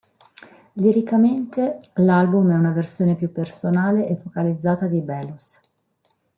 Liricamente, l'album è una versione più personale e focalizzata di "Belus".